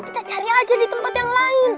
kita cari aja di tempat yang lain